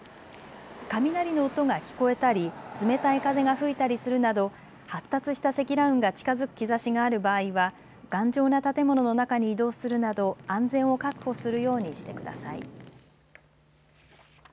雷の音が聞こえたり冷たい風が吹いたりするなど発達した積乱雲が近づく兆しがある場合は頑丈な建物の中に移動するなど安全を確保するようにしてください。